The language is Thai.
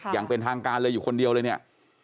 อย่างเป็นทางการเลยอยู่คนเดียวเลยเนี่ย